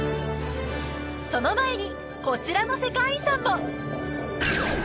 その前にこちらの世界遺産も！